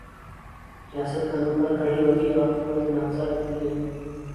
ریاست قانون پر کھڑی ہوتی اور قوت نافذہ رکھتی ہے۔